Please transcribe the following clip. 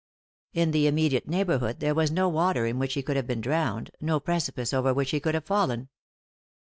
Id the immediate neighbourhood there was no water in which he could have been drowned, no precipice over which he could have fallen.